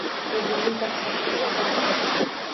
O`zimni dahshatda sezardim